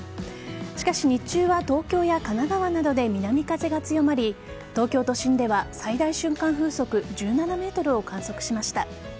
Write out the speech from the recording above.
しかし日中は東京や神奈川などで南風が強まり東京都心では最大瞬間風速１７メートルを観測しました。